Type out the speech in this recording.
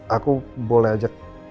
aku boleh ajak